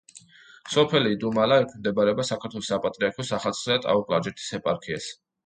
სოფელი იდუმალა ექვემდებარება საქართველოს საპატრიარქოს ახალციხისა და ტაო-კლარჯეთის ეპარქიას.